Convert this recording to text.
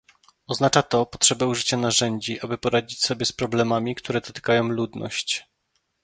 Oznacza to, potrzebę użycia narzędzi, aby poradzić sobie z problemami, które dotykają ludność